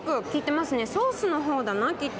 ソースの方だなきっと。